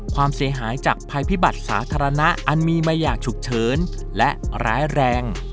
ความเสียหายจากภัยพิบัติสาธารณะอันมีมาอย่างฉุกเฉินและร้ายแรง